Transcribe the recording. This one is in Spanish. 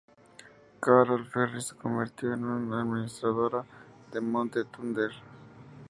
Carol Ferris se convirtió en administradora de Monte Thunder.